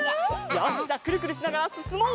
よしじゃくるくるしながらすすもう！